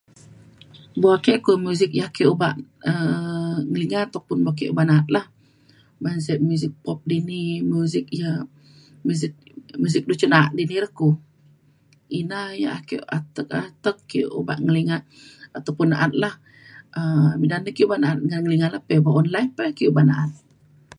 buk ake ku muzik yak ake obak um ngelinga tuk ataupun ban na’at lah. ban sek muzik pop di ni muzik ia’ muzik muzik du cin na’a di di re ku. ina yak ake atek atek ake obak ngelinga ataupun na’at lah. um midan na ki ke obak na’at ngan ngelinga la pe un live pa ake obak na’at.